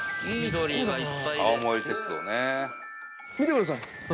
見てください。